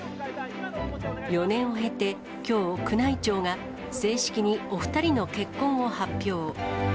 ４年を経て、きょう、宮内庁が正式にお２人の結婚を発表。